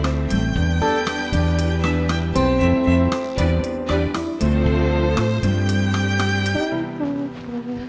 sampai ncus datang